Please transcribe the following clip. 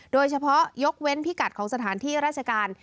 โดยเฉพาะยกเว้นพิกัดของสถานที่ราชการ